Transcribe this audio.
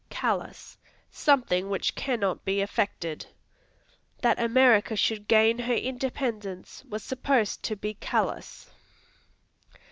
Callous Something which cannot be effected; "That America should gain her independence was supposed to be callous."